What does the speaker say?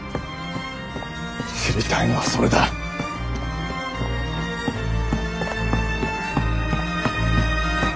知りたいのはそれだッ！